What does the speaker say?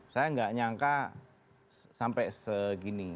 saya nggak nyangka sampai segini